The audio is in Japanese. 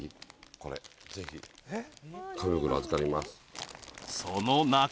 これぜひ紙袋預かります